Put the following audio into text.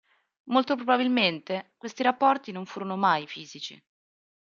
Molto probabilmente, questi rapporti non furono mai fisici.